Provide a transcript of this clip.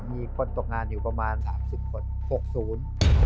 ๕๙มีคนตกงานอยู่ประมาณ๓๐คน